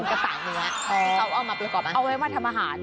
เอามันเป็นกับเอาไว้มาทำอาหาร